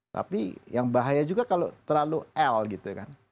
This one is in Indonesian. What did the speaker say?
tapi yang bahaya juga kalau terlalu l gitu kan